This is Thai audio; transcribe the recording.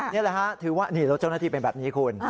นี่แหละฮะถือว่านี่รถเจ้าหน้าที่เป็นแบบนี้คุณ